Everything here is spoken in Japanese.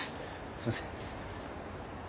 すいません。